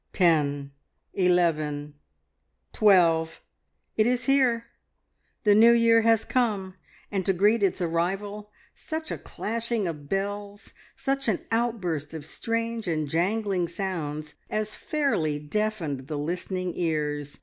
Ten, eleven, twelve. It is here! The New Year has come, and to greet its arrival such a clashing of bells, such an outburst of strange and jangling sounds as fairly deafened the listening ears.